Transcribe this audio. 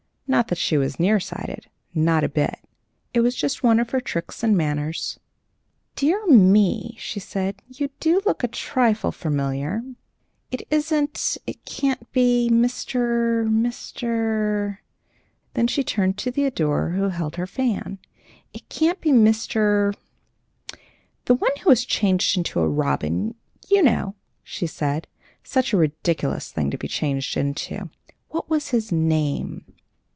Not that she was near sighted not a bit of it; it was just one of her tricks and manners. "Dear me!" she said, "you do look a trifle familiar. It isn't, it can't be, Mr. , Mr. ," then she turned to the adorer, who held her fan, "it can't be Mr. , the one who was changed into a robin, you know," she said. "Such a ridiculous thing to be changed into! What was his name?"